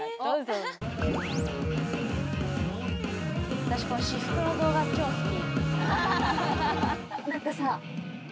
あたしこの私服の動画超好き。